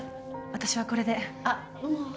私はこれであっもう？